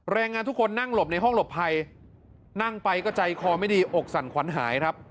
แรงงานทุกคนนั่งหลบในห้องหลบภัยนั่งไปก็ใจคอไม่ดีอกสั่นขวัญหายครับ